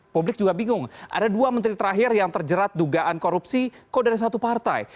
publik juga bingung ada dua menteri terakhir yang terjerat dugaan korupsi kok dari satu partai